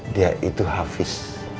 dia itu hafiz